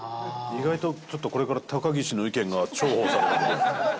意外と、ちょっとこれから高岸の意見が重宝される事に。